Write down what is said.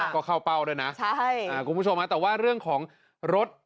ก็เข้าเป้าด้วยนะคุณผู้ชมแต่ว่าเรื่องของรถ